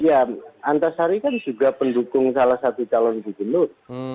ya antasari kan juga pendukung salah satu calon gubernur